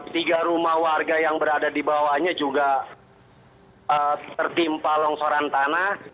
tiga rumah warga yang berada di bawahnya juga tertimpa longsoran tanah